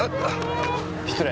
失礼。